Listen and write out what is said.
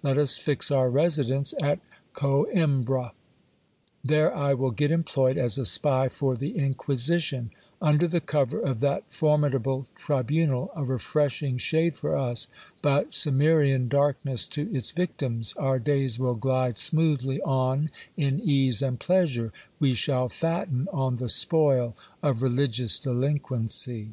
Let us fix our residence at Coimbra. There I will get employed as a spy for the inquisition ; under the cover of that formidable tribunal, a refreshing shade for us, but Cimmerian darkness to its victims, our days will glide smoothly on in ease and pleasure, we shall fatten on the spoil of religious delinquency.